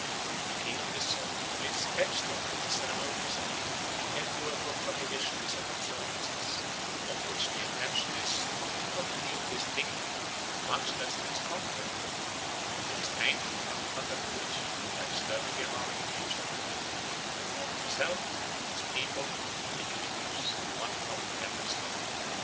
A king of this sort lives hedged in by a ceremonious etiquette, a network of prohibitions and observances, of which the intention is not to contribute to his dignity, much less to his comfort, but to restrain him from conduct which, by disturbing the harmony of nature, might involve himself, his people, and the universe in one common catastrophe.